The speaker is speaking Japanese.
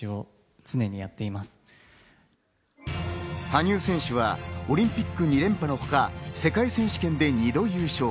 羽生選手はオリンピック２連覇のほか、世界選手権で２度優勝。